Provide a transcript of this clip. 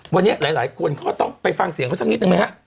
วันนี้หลายคนก็ต้องไปฟังเสียงเขาสักนิดนึงไหมฮะ